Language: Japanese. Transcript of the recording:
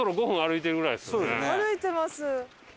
歩いてます。